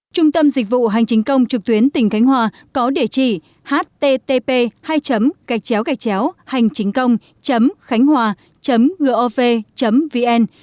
trung tâm dịch vụ hành chính công trực tuyến tỉnh khánh hòa có địa chỉ http hànhchínhcông khánhhòa gov vn